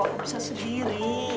aku bisa sendiri